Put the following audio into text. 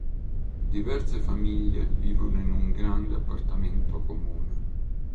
Diverse famiglie vivono in un grande appartamento comune.